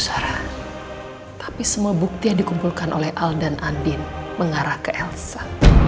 tapi semua bukti yang dikumpulkan oleh al dan andin mengarah ke elsa